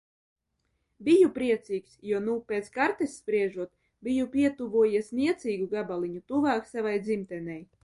Biju priecīgs, jo nu, pēc kartes spriežot, biju pietuvojies niecīgu gabaliņu tuvāk savai dzimtenei.